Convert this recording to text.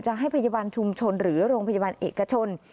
ให้พยาบาลชุมชนหรือโรงพยาบาลเอกชน